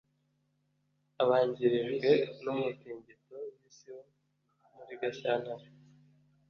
abangirijwe n’umutingito w’isi wo muri gashyantare,